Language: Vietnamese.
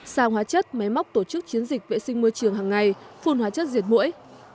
sao hóa chất máy móc tổ chức chiến dịch vệ sinh môi trường hàng ngày phun hóa chất diệt mũi